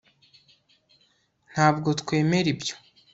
ntabwo twemera ibyo